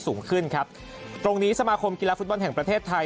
สูงขึ้นครับตรงนี้สมาคมกีฬาฟุตบอลแห่งประเทศไทย